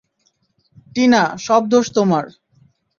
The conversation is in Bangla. টিনা, সব দোষ তোমার।